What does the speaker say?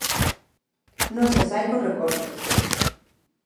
Non se sae con recortes.